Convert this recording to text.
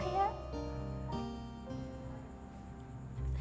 tapi kalau mas erwin sadar